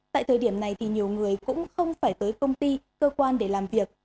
tại thời điểm này thì nhiều người cũng không phải tới công ty cơ quan để làm việc